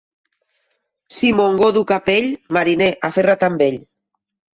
Si Montgó duu capell, mariner, aferra't amb ell.